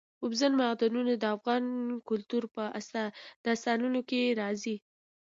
اوبزین معدنونه د افغان کلتور په داستانونو کې راځي.